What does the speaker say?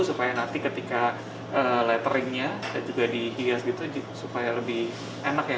supaya nanti ketika letteringnya juga dihias gitu supaya lebih enak ya